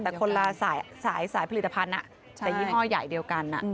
แต่คนละสายผลิตภัณฑ์แต่ยี่ห้อใหญ่เดียวกัน